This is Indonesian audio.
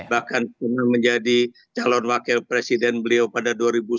bahkan pernah menjadi calon wakil presiden beliau pada dua ribu sembilan belas